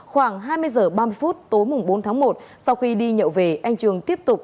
khoảng hai mươi h ba mươi phút tối bốn tháng một sau khi đi nhậu về anh trường tiếp tục